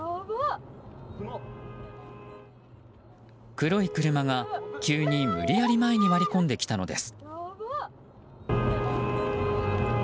黒い車が急に無理やり前に割り込んできたのです。